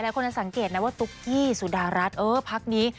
คนจะสังเกตนะว่าตุ๊กกี้สุดารัฐเออพักนี้